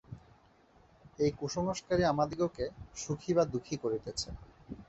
এই কুসংস্কারই আমাদিগকে সুখী বা দুঃখী করিতেছে।